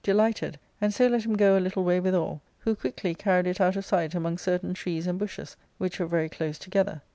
delighted, and so let him go a little way withal, who quickly carried it out of sight among certain trees and bushes, which were very close together.